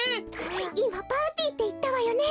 いまパーティーっていったわよね？